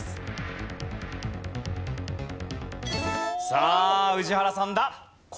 さあ宇治原さんだ。